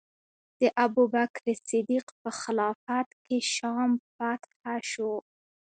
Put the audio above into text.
د ابوبکر صدیق په خلافت کې شام فتح شو.